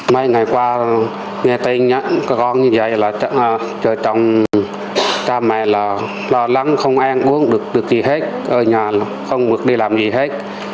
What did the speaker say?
mấy ngày qua nghe tin nhắn con như vậy là trời trồng cha mẹ là lo lắng không ăn uống được gì hết ở nhà không được đi làm gì hết